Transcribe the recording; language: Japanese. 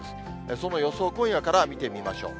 その予想、今夜から見てみましょう。